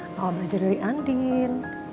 mama belajar dari andin